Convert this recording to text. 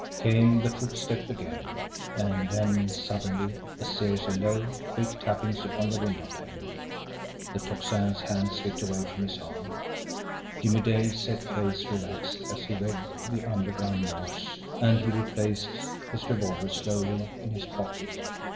Came the footstep again and then suddenly, a series of low, quick tappings upon the windowpane. The Tocsin's hand slipped away from his arm. Jimmie Dale's set face relaxed as he read the underground Morse, and he replaced his revolver slowly in his pocket.